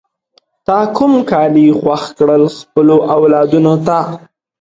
تا کوم کالی خوښ کړل خپلو اولادونو ته؟